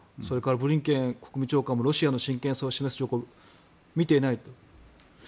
それからブリンケン国務長官もロシアの真剣さを示す兆候を見ていないと。